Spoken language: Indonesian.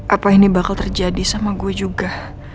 apa ini bakal terjadi sama gue juga